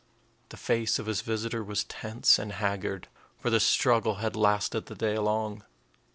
The face of his visitor was tense and haggard; for the struggle had lasted the day long.